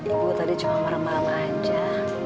ibu tadi cuma merebam aja